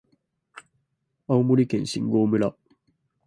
青森県新郷村